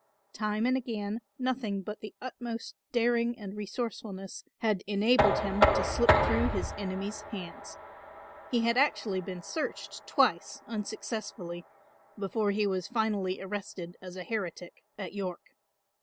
Time and again nothing but the utmost daring and resourcefulness had enabled him to slip through his enemies' hands. He had actually been searched twice unsuccessfully before he was finally arrested as a heretic at York.